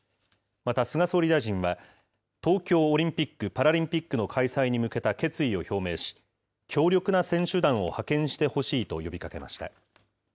また菅総理大臣は、東京オリンピック・パラリンピックの開催に向けた決意を表明し、強力な選手団を派遣してほしいと呼びかけました。